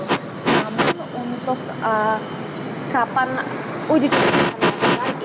namun untuk kapan ujicoba yang akan diadakan